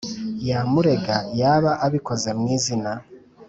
yamurega yaba abikoze mu izina